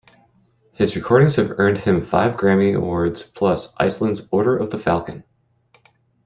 His recordings have earned him five Grammy awards plus Iceland's Order of the Falcon.